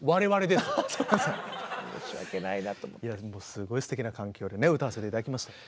すごいすてきな環境でね歌わせて頂きましたよ。